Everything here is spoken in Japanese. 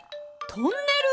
トンネル！